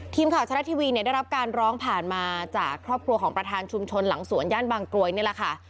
ทีมข่าวชะละทีวีเนี่ยได้รับการร้องผ่านมาจากครอบครัวของประธานชุมชนหลังสวนย่านบางกรวยนี่แหละค่ะ